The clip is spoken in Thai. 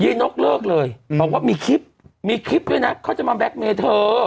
นกเลิกเลยบอกว่ามีคลิปมีคลิปด้วยนะเขาจะมาแล็กเมย์เธอ